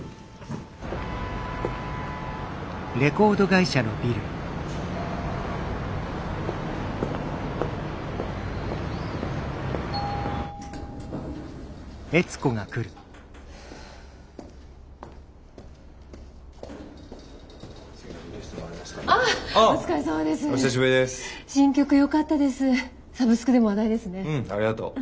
うんありがとう。